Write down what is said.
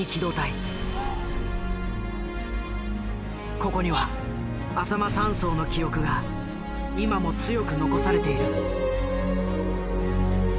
ここにはあさま山荘の記憶が今も強く残されている。